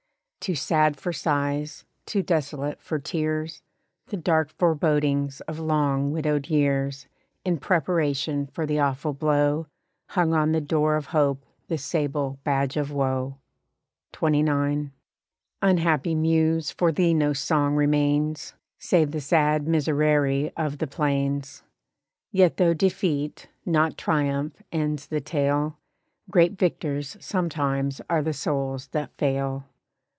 Two sad for sighs, too desolate for tears, The dark forebodings of long widowed years In preparation for the awful blow Hung on the door of hope the sable badge of woe. XXIX. Unhappy Muse! for thee no song remains, Save the sad miséréré of the plains. Yet though defeat, not triumph, ends the tale, Great victors sometimes are the souls that fail.